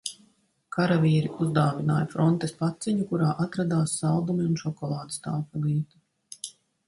Karavīri uzdāvināja frontes paciņu, kurā atradās saldumi un šokolādes tāfelīte.